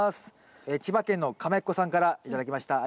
千葉県のかめっこさんから頂きました。